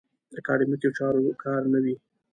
اکاډیمیکو چارو کار نه وي.